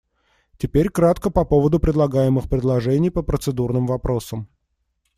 Теперь кратко по поводу предлагаемых предложений по процедурным вопросам.